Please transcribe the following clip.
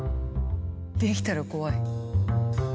できたら怖い。